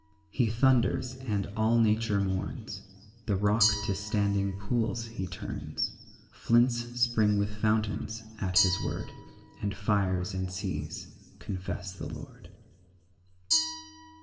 6 He thunders, and all nature mourns, The rock to standing pools he turns; Flints spring with fountains at his word, And fires and seas confess the Lord.